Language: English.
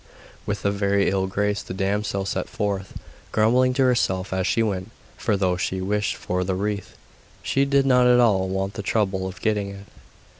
With a very ill grace the damsel set forth, grumbling to herself as she went; for though she wished for the wreath, she did not at all want the trouble of getting it.